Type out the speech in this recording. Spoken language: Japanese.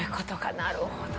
なるほどな。